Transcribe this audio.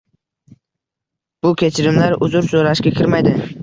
bu kechirimlar uzr so‘rashga kirmaydi.